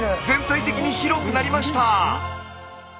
全体的に白くなりました！